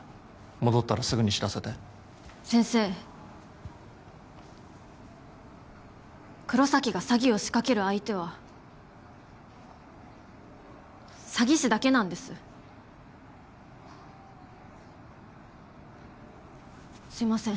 戻ったらすぐに知らせて先生黒崎が詐欺を仕掛ける相手は詐欺師だけなんですすいません